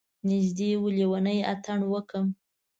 نږدې و لیونی اتڼ وکړم.